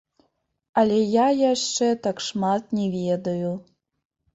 Але я яшчэ так шмат не ведаю.